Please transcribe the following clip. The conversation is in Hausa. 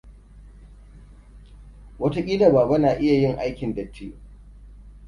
Wataƙila baba na iya yin aikin datti.